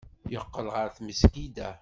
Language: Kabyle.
Yeqqel ɣer tmesgida.